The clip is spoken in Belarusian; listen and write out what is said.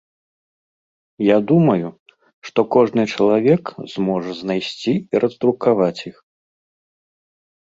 Я думаю, што кожны чалавек зможа знайсці і раздрукаваць іх.